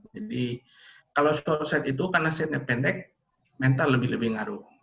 jadi kalau short set itu karena setnya pendek mental lebih lebih ngaruh